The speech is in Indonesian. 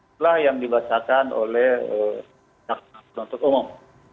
itulah yang dibacakan oleh jaksa penuntut umum